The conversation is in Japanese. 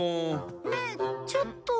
ねえちょっと。